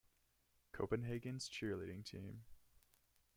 Copenhagen's cheerleading team.